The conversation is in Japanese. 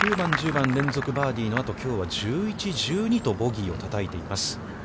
９番、１０番、連続バーディーのあと、きょうは１１、１２とボギーをたたいています。